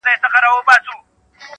يوه برخه چوپه بله غوسه تل,